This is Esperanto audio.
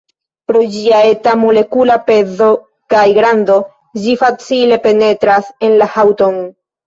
Pro ĝia eta molekula pezo kaj grando, ĝi facile penetras en la haŭton.